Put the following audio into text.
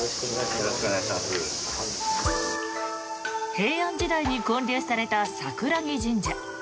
平安時代に建立された櫻木神社。